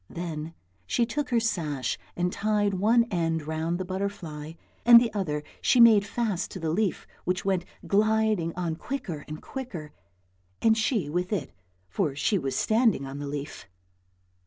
Then she took her sash and tied one end round the butterfly, and the other she made fast to the leaf which went gliding on quicker and quicker, and she with it for she was standing on the leaf.